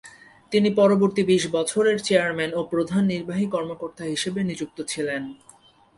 তিনি পরবর্তী বিশ বছর এর চেয়ারম্যান ও প্রধান নির্বাহী কর্মকর্তা হিসাবে নিযুক্ত ছিলেন।